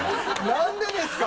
何でですか！